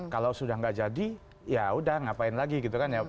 kalau sudah nggak jadi ya udah ngapain lagi gitu kan ya